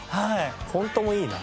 フォントもいいな。